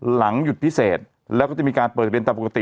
หลังหยุดพิเศษแล้วก็จะมีการเปิดเรียนตามปกติ